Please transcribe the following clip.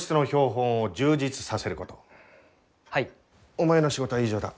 お前の仕事は以上だ。